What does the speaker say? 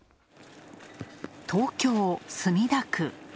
東京・墨田区。